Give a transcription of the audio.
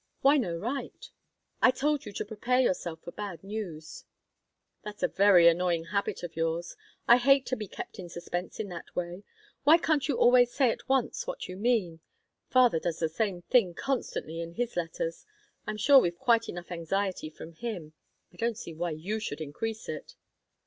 "Why no right?" "I told you to prepare yourself for bad news." "That's a very annoying habit of yours. I hate to be kept in suspense in that way. Why can't you always say at once what you mean? Father does the same thing constantly in his letters. I'm sure we've quite enough anxiety from him; I don't see why you should increase it."